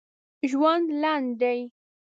ژوند لنډ دی